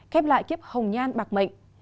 khép lại kiếp hồng nhan bạc mệnh